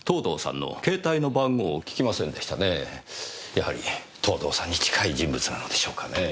やはり藤堂さんに近い人物なのでしょうかねえ。